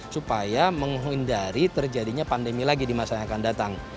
supaya menghindari terjadinya pandemi lagi di masa yang akan datang